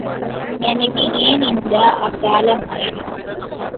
எனக்கு ஏன் இந்த அகால மரணம்?